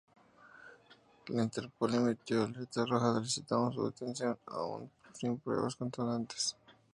La Interpol emitió una alerta roja solicitando su detención, aun sin pruebas contundentes.